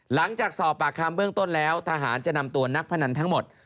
หลังจากสอบปากคำเบื้องต้นแล้วทหารจะนำตัวนักพนันทั้งหมด